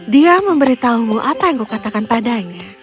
dia memberitahumu apa yang kukatakan padanya